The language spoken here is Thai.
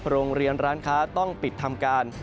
โรงเรียนร้านค้าต้องปิดทำการ